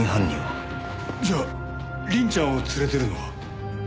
じゃあ凛ちゃんを連れているのは？